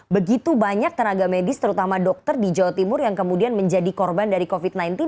begitu banyak tenaga medis terutama dokter di jawa timur yang kemudian menjadi korban dari covid sembilan belas